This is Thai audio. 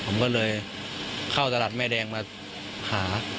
ผมก็เลยเข้าตลาดแม่แดงมาหา